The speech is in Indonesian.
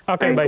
oke baik baik